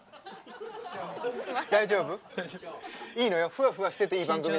大丈夫？いいのよふわふわしてていい番組だから。